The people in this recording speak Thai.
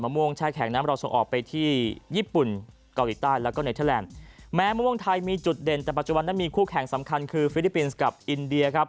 มะม่วงไทยมีจุดเด่นแต่ปัจจุบันนั้นมีคู่แข่งสำคัญคือฟิลิปปินส์กับอินเดีย